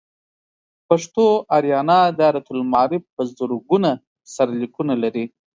پښتو آریانا دایرة المعارف په زرګونه سرلیکونه لري.